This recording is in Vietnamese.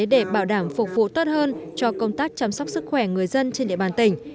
để bảo đảm phục vụ tốt hơn cho công tác chăm sóc sức khỏe người dân trên địa bàn tỉnh